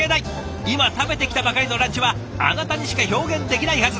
今食べてきたばかりのランチはあなたにしか表現できないはず。